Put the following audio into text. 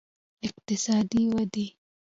اقتصادي ودې